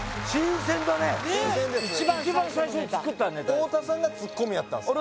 太田さんがツッコミやったんですか？